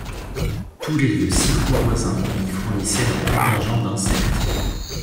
Tous les lieux circonvoisins y fournissaient leur contingent d’insectes.